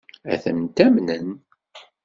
Ad tent-amnen?